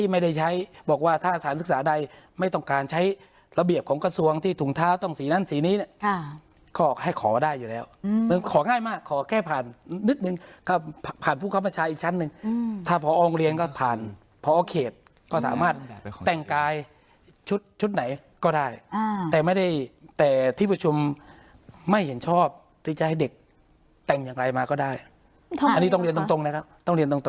ไม่ได้ใช้บอกว่าถ้าสถานศึกษาใดไม่ต้องการใช้ระเบียบของกระทรวงที่ถุงท้าต้องสีนั้นสีนี้น่ะค่ะก็ให้ขอได้อยู่แล้วอืมของ่ายมากขอแก้ผ่านนิดหนึ่งก็ผ่านผู้คับประชาอีกชั้นนึงอืมถ้าผอองเรียนก็ผ่านผอเขตก็สามารถแต่งกายชุดชุดไหนก็ได้อ่าแต่ไม่ได้แต่ที่ประชุมไม่เห็นชอบที่จะให้เด็กแต่งอย่างไร